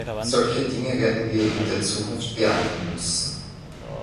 Solche Dinge werden wir in der Zukunft beachten müssen.